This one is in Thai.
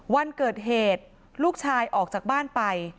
วันเกิดเหตุลูกชายออกจากบ้านไป